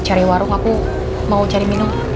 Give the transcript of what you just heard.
cari warung aku mau cari minum